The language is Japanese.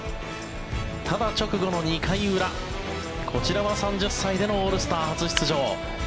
ただ、直後の２回裏こちらは３０歳でのオールスター初出場